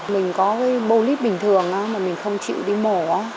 mình có cái bô lít bình thường mà mình không chịu đi mổ